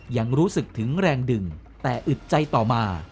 ยังรู้สึกถึงแรงดึงแต่อึดใจต่อมา